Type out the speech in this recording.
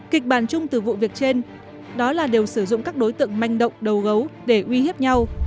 kịch bản chung từ vụ việc trên đó là đều sử dụng các đối tượng manh động đầu gấu để uy hiếp nhau